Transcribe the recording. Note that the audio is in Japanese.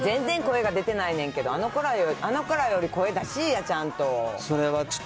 全然声が出てないねんけど、あの子らより声出しいや、ちゃんと。